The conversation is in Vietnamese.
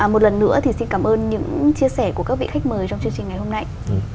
một lần nữa thì xin cảm ơn những chia sẻ của các vị khách mời trong chương trình ngày hôm nay